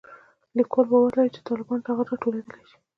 لیکوال باور لري چې د طالبانو ټغر راټولېدای شي